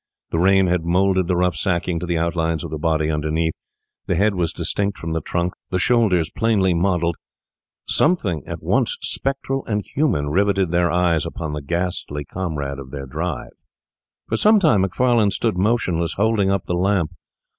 The rain had moulded the rough sacking to the outlines of the body underneath; the head was distinct from the trunk, the shoulders plainly modelled; something at once spectral and human riveted their eyes upon the ghastly comrade of their drive. For some time Macfarlane stood motionless, holding up the lamp.